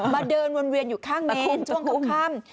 เดินวนเวียนอยู่ข้างเมนช่วงค่ำ